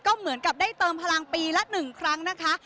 ก็เหมือนกับได้เติมพลังปีละ๑ครั้งนะคะ